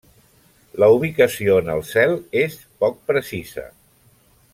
La ubicació en el cel és poc precisa.